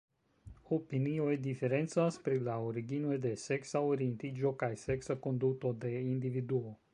Opinioj diferencas pri la originoj de seksa orientiĝo kaj seksa konduto de individuo.